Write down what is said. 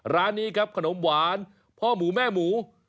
ร้านนี้ครับขนมหวานพ่อหมูแม่หมู